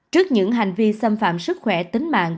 trước những hành vi xâm phạm sức khỏe tính mạng